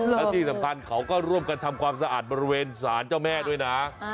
แล้วที่สำคัญเขาก็ร่วมกันทำความสะอาดบริเวณสารเจ้าแม่ด้วยนะ